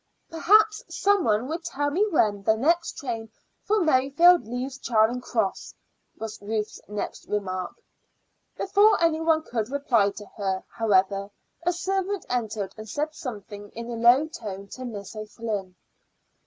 "Perhaps some one would tell me when the next train for Merrifield leaves Charing Cross," was Ruth's next remark. Before any one could reply to her, however, a servant entered and said something in a low tone to Miss O'Flynn.